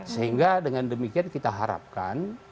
sehingga dengan demikian kita harapkan